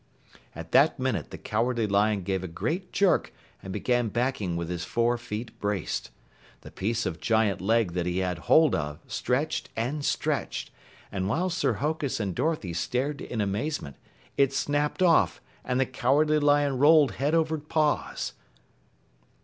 At that minute, the Cowardly Lion gave a great jerk and began backing with his four feet braced. The piece of giant leg that he had hold of stretched and stretched, and while Sir Hokus and Dorothy stared in amazement, it snapped off and the Cowardly Lion rolled head over paws.